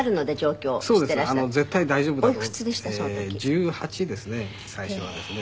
１８ですね最初はですね。